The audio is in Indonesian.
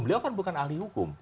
beliau kan bukan ahli hukum